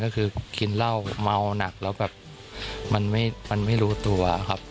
ก็คือกินเหล้าเมาหนักแล้วแบบมันไม่รู้ตัวครับ